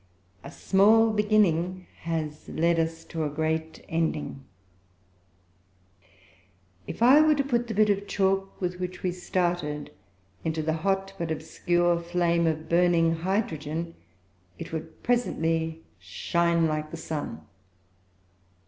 A small beginning has led us to a great ending. If I were to put the bit of chalk with which we started into the hot but obscure flame of burning hydrogen, it would presently shine like the sun.